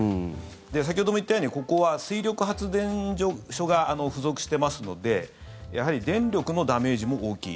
先ほども言ったようにここは水力発電所が付属してますのでやはり電力のダメージも大きい。